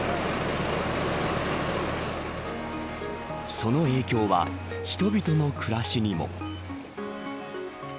その影響は、人々の暮らしにも。